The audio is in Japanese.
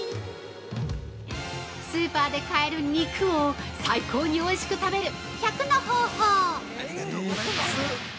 スーパーで買える「肉」を最高においしく食べる１００の方法。